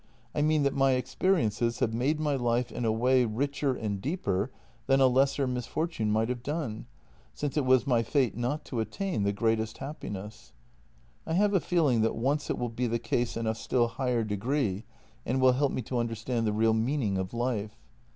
I mean that my experiences have made my life in a way richer and deeper than a lesser mis fortune might have done — since it was my fate not to attain the greatest happiness. I have a feeling that once it will be the case in a still higher degree, and will help me to under stand the real meaning of life.